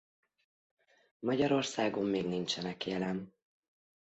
Magyarországon még nincsenek jelen.